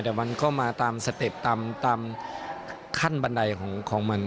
แต่มันก็มาตามสเต็ปตามขั้นบันไดของมัน